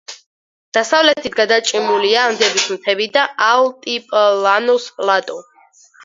დასავლეთით გადაჭიმულია ანდების მთები და ალტიპლანოს პლატო.